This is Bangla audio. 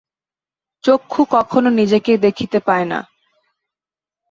চক্ষু কখনও নিজেকে দেখিতে পায় না।